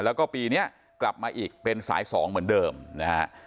แล้วก็ปีนี้กลับมาอีกเป็นสาย๒เหมือนเดิมนะฮะ